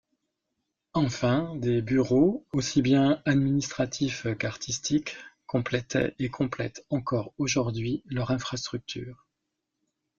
Enfin, des bureaux, aussi bien administratifs qu’artistiques, complétaient et complètent encore aujourd’hui leur infrastructure.